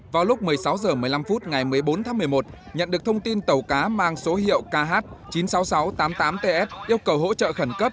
vào lúc một mươi sáu h một mươi năm phút ngày một mươi bốn tháng một mươi một nhận được thông tin tàu cá mang số hiệu kh chín mươi sáu nghìn sáu trăm tám mươi tám ts yêu cầu hỗ trợ khẩn cấp